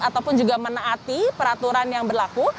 ataupun juga menaati peraturan yang berlaku